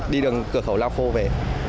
đi đường cửa khẩu lào phô về